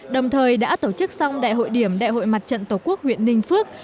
đồng thời đã tổ chức xong đại hội điểm đại hội mặt trận tổ quốc huyện ninh phước